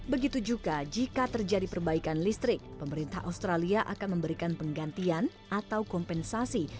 begitu juga jika terjadi perbaikan listrik pemerintah australia akan memberikan penggantian atau kompensasi